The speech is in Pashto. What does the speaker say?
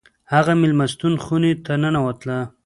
هغه د میلمستون خونې ته ننوتله